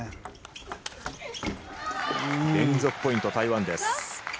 連続ポイント、台湾です。